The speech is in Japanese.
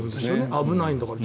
危ないんだから。